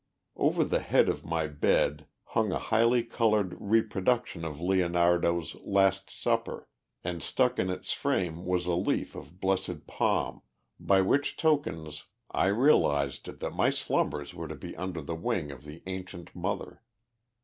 Over the head of my bed hung a highly coloured reproduction of Leonardo's "Last Supper," and stuck in its frame was a leaf of blessed palm by which tokens I realized that my slumbers were to be under the wing of the ancient Mother.